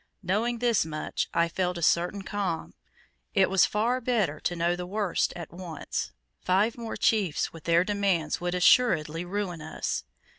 Knowing this much, I felt a certain calm. It was far better to know the worst at once. Five more chiefs with their demands would assuredly ruin us.